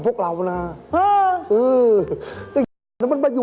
เป็นเรื่องเลย